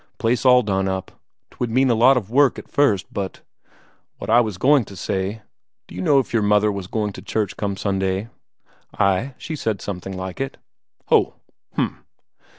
Place all done up 'twould mean a lot of work at first, but ... What I was going to say, d'you know if your mother was going to church come Sunday?" "Ay, she said something like it." "Ho!... H'm.